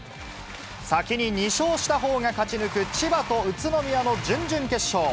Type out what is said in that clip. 先に２勝したほうが勝ち抜く千葉と宇都宮の準々決勝。